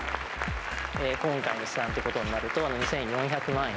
今回の試算ってことになると、２４００万円。